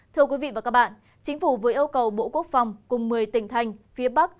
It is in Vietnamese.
thưa quý vị và các bạn chính phủ vừa yêu cầu bộ quốc phòng cùng một mươi tỉnh thành phía bắc